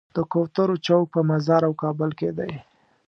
د کوترو چوک په مزار او کابل کې دی.